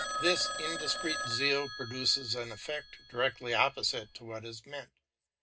This indiscreet zeal produces an effect directly opposite to what is meant.